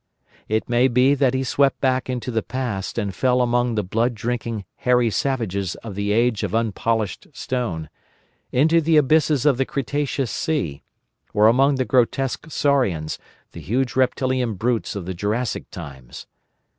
It may be that he swept back into the past, and fell among the blood drinking, hairy savages of the Age of Unpolished Stone; into the abysses of the Cretaceous Sea; or among the grotesque saurians, the huge reptilian brutes of the Jurassic times.